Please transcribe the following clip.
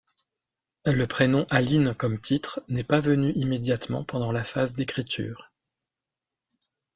Le prénom Aline comme titre n'est pas venu immédiatement pendant la phase d'écriture.